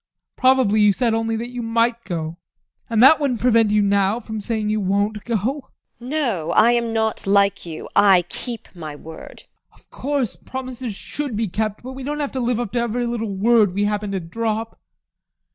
Probably you said only that you might go, and that wouldn't prevent you from saying now that you won't go. TEKLA. No, I am not like you: I keep my word. ADOLPH. Of course, promises should be kept, but we don't have to live up to every little word we happen to drop.